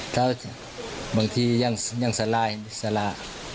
แต่บางทียังสารา